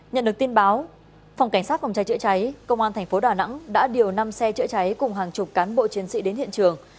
nhận được tin báo phòng cảnh sát phòng cháy chữa cháy công an thành phố đà nẵng đã điều năm xe chữa cháy cùng hàng chục cán bộ chiến sĩ đến hiện trường